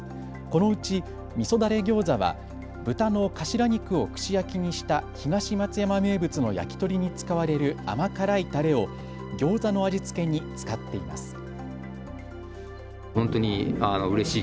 このうち、みそだれ餃子は豚のかしら肉を串焼きにした東松山名物のやきとりに使われる甘辛いたれをギョーザの味付けに使っています。